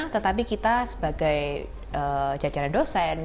tetapi kita sebagai jajaran dosen